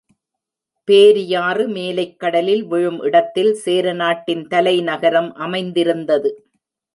பேரியாறு மேலைக் கடலில் விழும் இடத்தில் சேரநாட்டின் தலைநகரம் அமைந்திருந்தது.